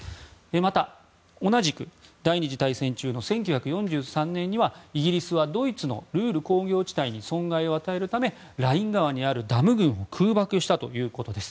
また、同じく第２次大戦中の１９４３年にはイギリスはドイツのルール工業地帯に損害を与えるためライン川にあるダム群を空爆したということです。